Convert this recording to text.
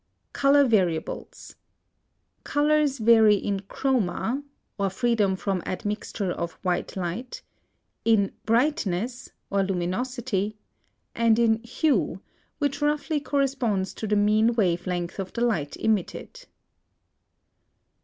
COLOR VARIABLES. Colors vary in CHROMA, or freedom from admixture of white light; in BRIGHTNESS, or luminosity; and in HUE, which roughly corresponds to the mean wave length of the light emitted.